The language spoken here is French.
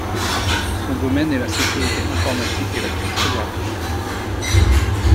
Son domaine est la sécurité informatique et la cryptographie.